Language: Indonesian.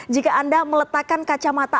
jika anda meletakkan kacamata